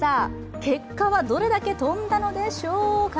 結果はどれだけ飛んだのでしょうか。